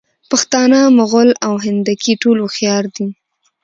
پښتانه، مغل او هندکي ټول هوښیار دي.